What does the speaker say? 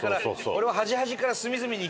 俺は。